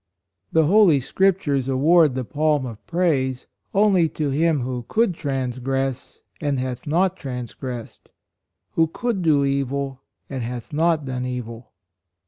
The holy Scriptures award the palm of praise only to him who could trans gress and hath not transgressed; who could do evil and hath not done evil."